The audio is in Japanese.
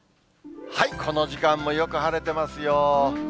この時間もよく晴れてますよ。